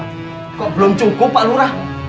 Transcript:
kok belum cukup pak lurah